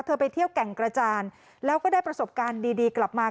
ไปเที่ยวแก่งกระจานแล้วก็ได้ประสบการณ์ดีกลับมา